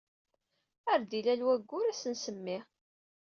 Ar d-illal waggur ad s-nsemmi.